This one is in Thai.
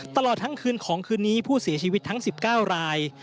ตลอดทั้งคืนของคืนนี้ผู้เสียชีวิตทั้ง๑๙ราย